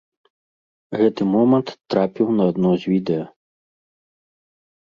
Гэты момант трапіў на адно з відэа.